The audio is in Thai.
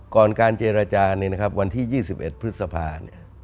ก่อนการเจรจานี้นะครับวันที่๒๑พฤษภาเนี่ย